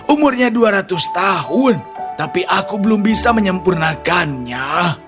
umurnya dua ratus tahun tapi aku belum bisa menyempurnakannya